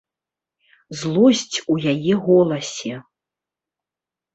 Злосць у яе голасе.